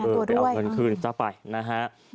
ไปเอาเงินคืนซะไปนะฮะ